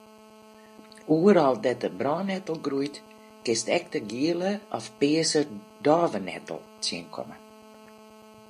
Oeral dêr't de brannettel groeit kinst ek de giele of pearse dôvenettel tsjinkomme.